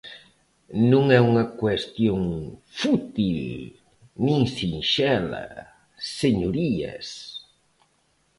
Non é unha cuestión fútil nin sinxela, señorías.